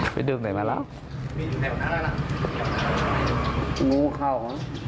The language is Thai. ไปดูไหนมาแล้ว